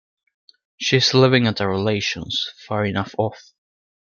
She’s living at a relation’s, far enough off.